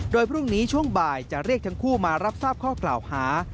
โดยพรุ่งนี้ช่วงบ่ายจะเรียกทั้งคู่มารับทราบข้อกล่าวหา